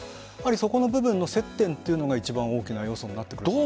そこの部分の接点というのが一番大きな要素になってくると思います。